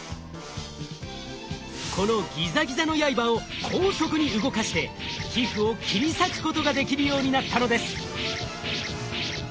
このギザギザのやいばを高速に動かして皮膚を切り裂くことができるようになったのです。